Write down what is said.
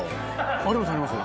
ありますあります。